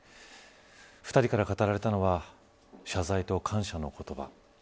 ２人から語られたのは謝罪と感謝の言葉。